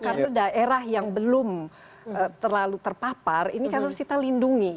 karena daerah yang belum terlalu terpapar ini kan harus kita lindungi